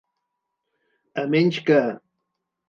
A menys que.